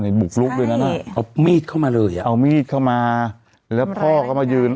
บุกลุกด้วยนั้นอ่ะเอามีดเข้ามาเลยอ่ะเอามีดเข้ามาแล้วพ่อก็มายืน